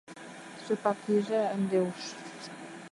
Шыпак лийже ынде уш!..